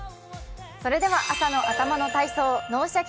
それでは、朝の頭の体操「脳シャキ！